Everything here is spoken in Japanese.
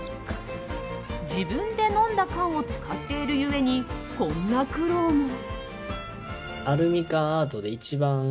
自分で飲んだ缶を使っているゆえにこんな苦労も。